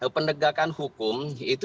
jadi penegakan hukum itu juga harus ditegakkan